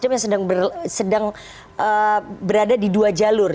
atau melihat ini manuverasi nasdem yang sedang berada di dua jalur